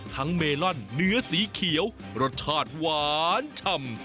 เมลอนเนื้อสีเขียวรสชาติหวานชำ